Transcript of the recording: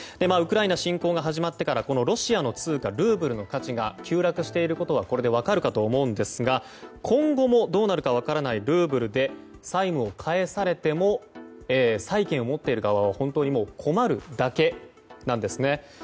ウクライナ侵攻が始まってからロシアの通貨ルーブルの価値が急落していることはこれで分かるかと思いますが今後もどうなるか分からないルーブルで債務を返されても債券を持っている側は本当に困るだけなんですね。